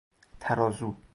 ترازو